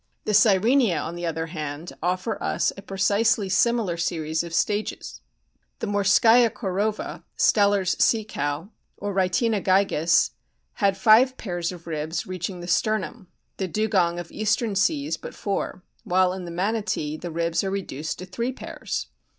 The Sirenia, on the other, offer us a precisely similar series of stages. The " Morskaia korova," " Steller's sea cow," or Rhytina gigas, had five pairs of ribs reach ing the sternum ; the Dugong of eastern seas but four ; while in the Manatee the ribs are reduced to three pairs.